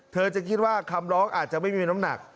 เธอจะคิดว่าคำร้องอาจจะไม่มีน้ำหนัก